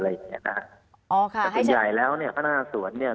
อ๋อค่ะให้เชิญแต่เป็นใหญ่แล้วเนี่ยพนักงานสวนเนี่ย